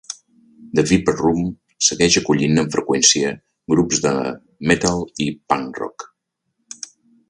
The Viper Room segueix acollint amb freqüència grups de metal i punk-rock.